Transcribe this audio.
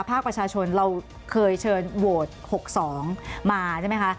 ภาคประชาชนเราเคยเชิญโหวต๖๒มาใช่ไหมคะ